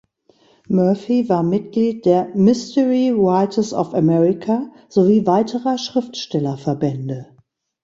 Murphy war Mitglied des Mystery Writers of America sowie weiterer Schriftsteller-Verbände.